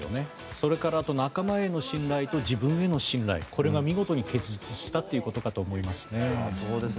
それから、あと仲間への信頼と自分への信頼これが見事に結実したということかと思いますね。